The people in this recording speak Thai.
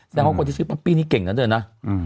แสดงว่าคนที่ชื่อป๊อปปี้นี่เก่งนะเธอนะ